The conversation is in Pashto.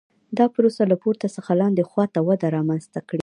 دا پروسه له پورته څخه لاندې خوا ته وده رامنځته کړي